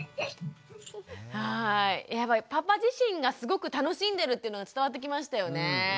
パパ自身がすごく楽しんでるっていうのが伝わってきましたよね。